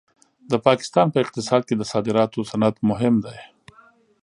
د پاکستان په اقتصاد کې د صادراتو صنعت مهم دی.